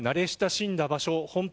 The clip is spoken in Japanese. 慣れ親しんだ場所